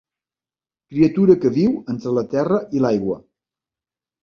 Criatura que viu entre la terra i l'aigua.